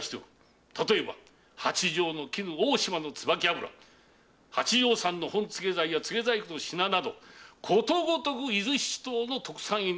例えば八丈の絹大島の椿油八丈産の本ツゲ材やツゲ細工の品などことごとく伊豆七島の特産品でござる。